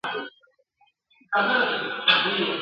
خلک چي زیارت ته ورځي، په درناوي ورځي.